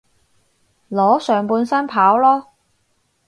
裸上半身跑囉